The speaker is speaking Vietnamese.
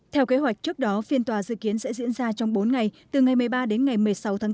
theo kế hoạch trước đó phiên tòa dự kiến sẽ diễn ra trong bốn ngày từ ngày một mươi ba đến ngày một mươi sáu tháng bốn